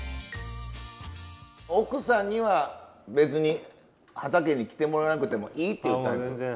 奥さんには別に畑に来てもらわなくてもいいっていうタイプ？